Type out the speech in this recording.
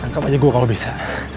anggap aja gue kalau bisa